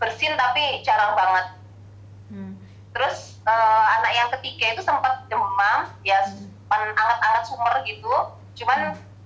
bersin tapi jarang banget terus anak yang ketika itu sempat demam ya penangkat sumber gitu cuman